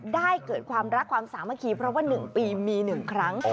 ได้เกิดความรักความสามารถเพราะว่าหนึ่งปีมีหนึ่งครั้งอ๋อ